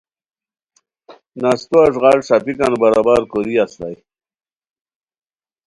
نستو اݱغال ݰاپیکان برابر کوری استائے